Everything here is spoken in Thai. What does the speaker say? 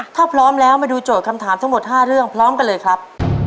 ถ้าพร้อมแล้วมาดูโจทย์คำถามทั้งหมด๕เรื่องพร้อมกันเลยครับ